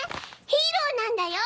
ヒーローなんだよ！